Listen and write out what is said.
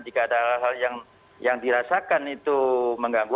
jika ada hal hal yang dirasakan itu mengganggu